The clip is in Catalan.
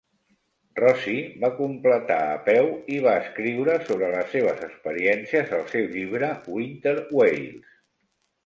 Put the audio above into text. Rosie va completar a peu i va escriure sobre les seves experiències al seu llibre "Winter Wales".